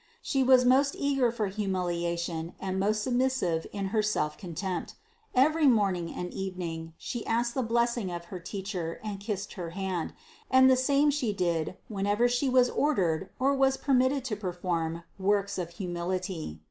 She was most eager for humiliation and most sub missive in her selfcontempt; every morning and evening She asked the blessing of her teacher and kissed her hand, and the same She did whenever She was ordered or was permitted to perform works of humility.